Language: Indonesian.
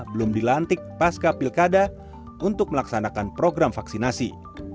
belum dilantik pasca pilkada untuk melaksanakan program vaksinasi